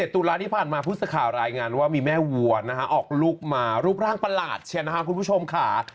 ตุลาที่ผ่านมาผู้สื่อข่าวรายงานว่ามีแม่วัวนะฮะออกลูกมารูปร่างประหลาดเชียร์นะคะคุณผู้ชมค่ะ